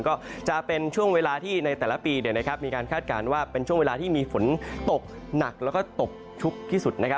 ก็จะเป็นช่วงเวลาที่ในแต่ละปีมีการคาดการณ์ว่าเป็นช่วงเวลาที่มีฝนตกหนักแล้วก็ตกชุกที่สุด